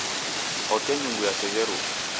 Oke nyungu yategheruka.